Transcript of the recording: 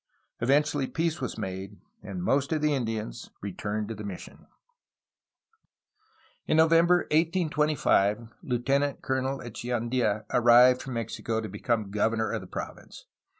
Eventually peace was made, and most of the Indians returned to the mission. In November 1825 Lieutenant Colonel Echeandla arrived from Mexico to become governor of the province.